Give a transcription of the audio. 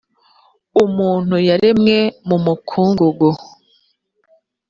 umuntu yaremwe mumukungugu.